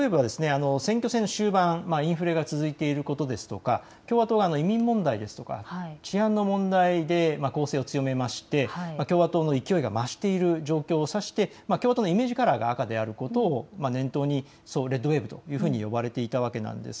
選挙戦の終盤、インフレが続いていることですとか共和党が移民問題ですとか治安の問題で攻勢を強めて共和党の勢いが増している状況を指して共和党のイメージカラーが赤であることを念頭にレッド・ウェーブと呼ばれていたわけなんです。